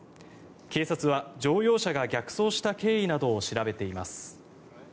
警察は乗用車が逆走した経緯などを調べています。